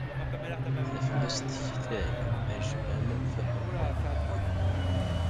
Taflest tektal ajmam fiḥel ma neggul.